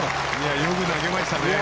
よく投げましたね。